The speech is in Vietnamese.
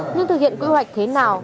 nhưng thực hiện quy hoạch thế nào